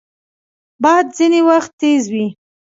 باد ځینې وخت تیز وي